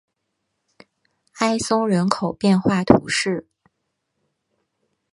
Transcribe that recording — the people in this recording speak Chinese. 埃松人口变化图示